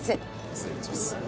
失礼いたします